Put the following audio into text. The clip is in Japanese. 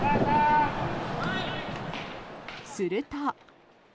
すると。